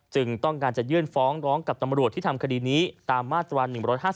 ต้องการจะยื่นฟ้องร้องกับตำรวจที่ทำคดีนี้ตามมาตรา๑๕๗